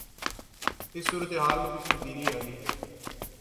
اس صورتحال میں کچھ تبدیلی آنی ہے۔